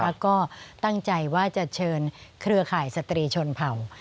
แล้วก็ตั้งใจว่าจะเชิญเครือข่ายสตรีชนเผ่า